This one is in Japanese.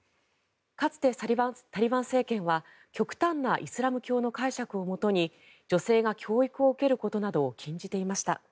かつてタリバン政権は極端なイスラム教の解釈をもとに女性が教育を受けることなどを禁じていました。